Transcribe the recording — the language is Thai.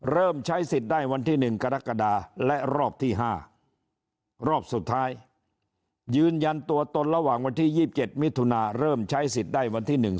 เริ่มใช้สิทธิ์ได้วันที่๑กรกฎาและรอบที่๕รอบสุดท้ายยืนยันตัวตนระหว่างวันที่๒๗มิถุนาเริ่มใช้สิทธิ์ได้วันที่๑